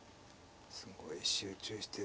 すごい集中して。